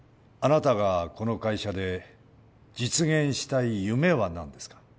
あなたがこの会社で実現したい夢は何ですか？